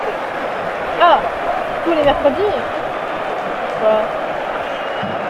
Ah ! tous les mercredis !… pourquoi ?…